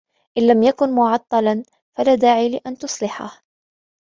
إن لم يكن معطلا، فلا داعي لأن تصلحه.